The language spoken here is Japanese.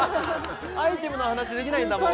アイテムの話できないんだもん